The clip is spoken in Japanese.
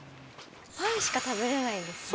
パンしか食べれないんですよね？